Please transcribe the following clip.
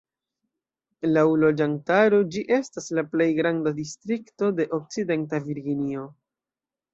Laŭ loĝantaro ĝi estas la plej granda distrikto de Okcidenta Virginio.